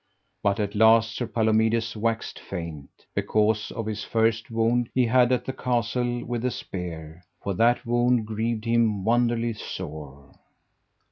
But at the last Sir Palomides waxed faint, because of his first wound that he had at the castle with a spear, for that wound grieved him wonderly sore.